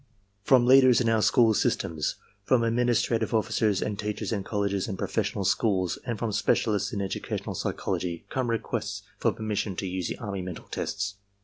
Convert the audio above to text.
"From leaders in our school systems, from administrative officers and teachers in colleges and professional schools, and from specialists in educational psychology come requests for permission to use the army mental tests.